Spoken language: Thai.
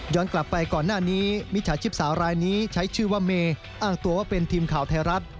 กลับไปก่อนหน้านี้มิจฉาชีพสาวรายนี้ใช้ชื่อว่าเมย์อ้างตัวว่าเป็นทีมข่าวไทยรัฐ